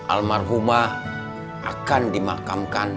almarhumah akan dimakamkan